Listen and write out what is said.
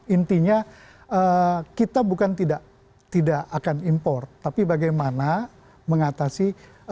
intinya kita bukan tidak akan impor tapi bagaimana mengatasi